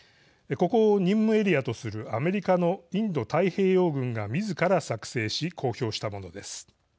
ここを任務エリアとするアメリカのインド太平洋軍がみずから作成し公表したものです。